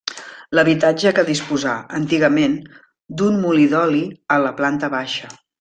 L'habitatge que disposà, antigament, d'un molí d'oli a la planta baixa.